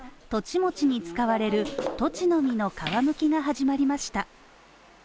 餅に使われるとちの実の皮むきが始まりました。